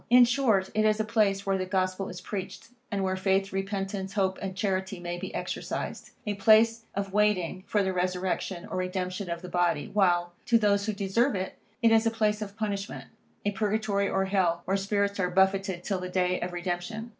In short, it is a place where the Gospel is preached, and where faith, repentance, hope and charity may be exercised; a place of waiting for the resurrection or redemption of the body; while, to those who deserve it, it is a place of punishment, a purgatory or hell, where spirits are buffetted till the day of redemption.